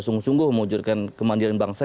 sungguh sungguh mengujurkan kemandiran bangsa